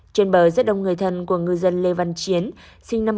trên bờ rất đông người thân của ngư dân lê văn chiến sinh năm một nghìn chín trăm tám mươi